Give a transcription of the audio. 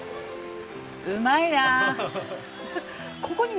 うまいな。